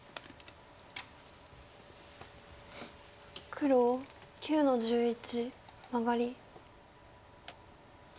黒９の十一マガリ。